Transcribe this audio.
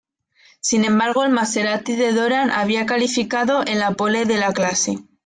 Sin embargo, el Maserati de Doran había calificado en la pole de la clase.